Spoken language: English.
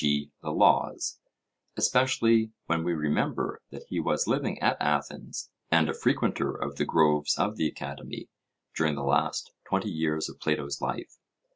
g. the Laws, especially when we remember that he was living at Athens, and a frequenter of the groves of the Academy, during the last twenty years of Plato's life.